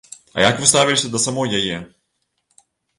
А як вы ставіліся да самой яе?